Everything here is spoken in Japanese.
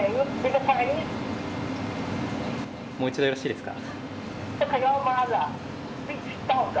もう一度よろしいですか？